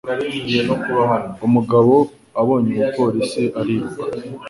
Umugabo abonye umupolisi ariruka